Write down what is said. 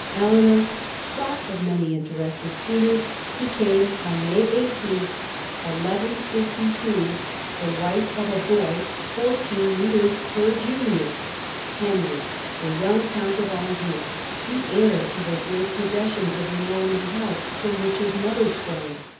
Eleanor, sought of many interested suitors, became, on May 18, 1152, the wife of a boy fourteen years her junior — Henry, theyoung count of Anjou, the heir to the great possessions of the Norman house from which his mother sprang.